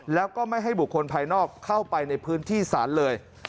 แล้วก็ไม่ให้บุคคลภายนอกเข้าไปในพื้นที่ศาลเลย